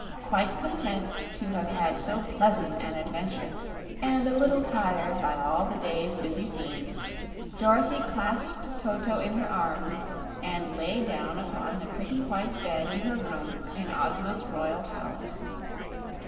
Quite content to have had so pleasant an adventure, and a little tired by all the day's busy scenes, Dorothy clasped Toto in her arms and lay down upon the pretty white bed in her room in Ozma's royal palace.